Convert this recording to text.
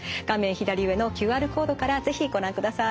左上のＱＲコードから是非ご覧ください。